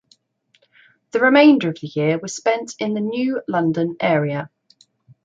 The remainder of the year was spent in the New London area.